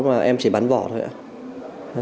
mà em chỉ bán vỏ thôi